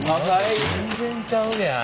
全然ちゃうやん。